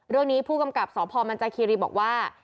เรื่องนี้ผู้กำกับสพมันจาคีรีบอกว่า